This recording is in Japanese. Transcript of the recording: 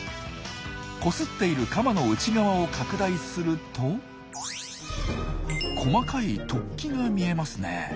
こすっているカマの内側を拡大すると細かい突起が見えますね。